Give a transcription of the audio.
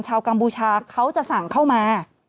กัมพูชาเขาจะสั่งเข้ามา